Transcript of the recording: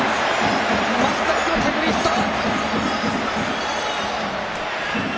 増田陸のタイムリーヒット！